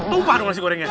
tumpah dong nasi gorengnya